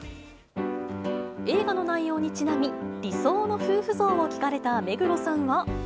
映画の内容にちなみ、理想の夫婦像を聞かれた目黒さんは。